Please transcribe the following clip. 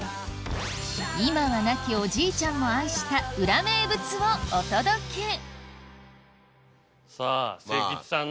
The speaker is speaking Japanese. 今は亡きおじいちゃんも愛した裏名物をお届けさぁ清吉さんの。